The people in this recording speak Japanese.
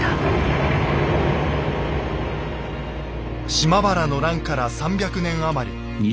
島原の乱から３００年余り。